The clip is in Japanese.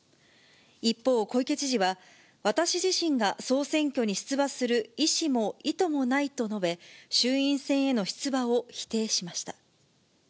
一方、小池知事は私自身が総選挙に出馬する意思も意図もないと述べ、衆院選への出馬を否定しました。